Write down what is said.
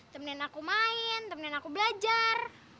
temenin aku main temenin aku belajar